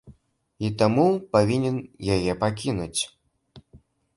І таму павінен яе пакінуць.